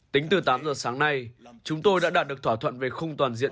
tính từ tám giờ sáng nay chúng tôi đã đạt được thỏa thuận về khung toàn diện